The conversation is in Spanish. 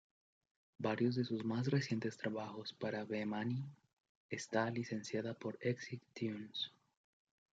Varios de sus más recientes trabajos para Bemani está licenciada por "Exit Tunes".